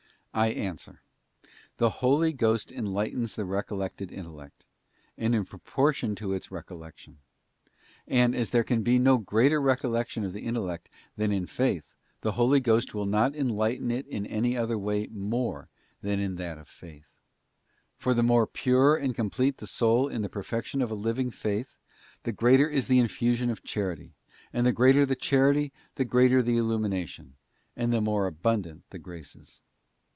I answer, the Holy Ghost enlightens the re collected intellect, and in proportion to its recollection ; and, as there can be no greater recollection of the intellect than in Faith, the Holy Ghost will not enlighten it in any other way more than in that of Faith. For the more pure and complete the soul in the perfection of a living Faith the greater is the infusion of Charity, and the greater the Charity the greater the illumination, and the more abundant the graces.